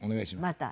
また！